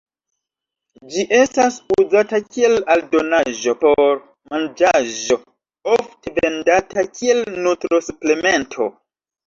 Ĝi estas uzata kiel aldonaĵo por manĝaĵo ofte vendata kiel nutro-suplemento.